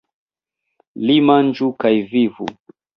Li manĝu kaj vivu!